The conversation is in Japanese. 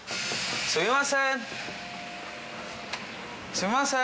すみません。